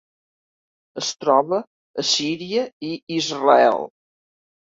Es troba a Síria i Israel.